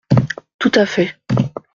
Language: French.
Tout à fait.